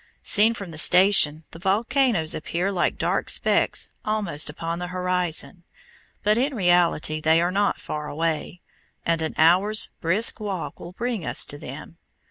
Seen from the station, the volcanoes appear like dark specks almost upon the horizon, but in reality they are not far away, and an hour's brisk walk will bring us to them.